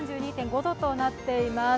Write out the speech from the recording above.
３２．５度となっています。